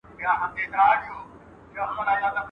اوړه دي پر اوړه، منت دي پر څه؟